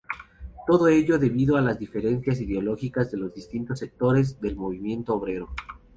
Todo ello debido a las diferencias ideológicas de los distintos sectores del movimiento obrero.